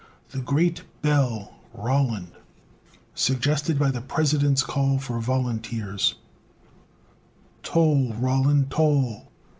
THE GREAT BELL ROLAND SUGGESTED BY THE PRESIDENT'S CALL FOR VOLUNTEERS I Toll! Roland, toll!